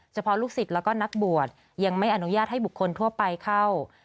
เฉพาะลูกศิษย์แล้วก็นักบวชยังไม่อนุญาตให้บุคคลทั่วไปเข้า